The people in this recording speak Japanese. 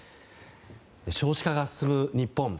少子化が進む日本。